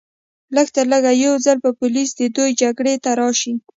لږترلږه یو ځل به پولیس د دوی جګړې ته راشي